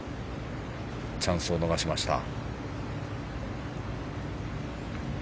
チャンスを逃しました。